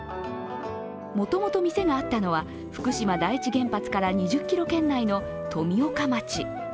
もともと店があったのは福島第一原発から２０ｋｍ圏内の富岡町。